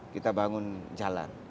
kita bangun jalan